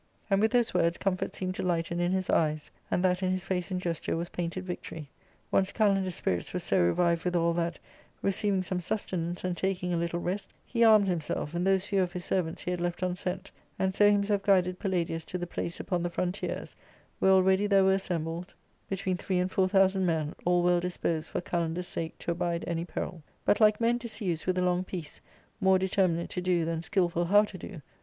And with those words comfort seemed to lighten in his eyes ; and that in his face and gesture was painted victory. Once Kalander's spirits were so revived withal that, receiving some sustenance, and taking a little rest, he armed himself, and those few of his servants he had left unsent, and so himself guided Palladius to the place upon the frontiers, where already there were assembled between three and four thousand men, all well disposed, for Kalander's sake, to abide any peril ; but, like men disused with a long peace, more determinate to do than skilful how to do.